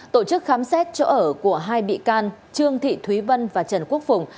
tổ chức khám xét chỗ ở của hai bị can trương thị thúy vân và trần quốc phùng